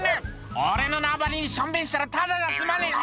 俺の縄張にしょんべんしたらただじゃ済まねえ」